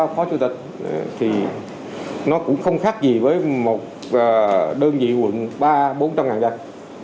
phó chủ tịch thì nó cũng không khác gì với một đơn vị quận ba bốn trăm linh dân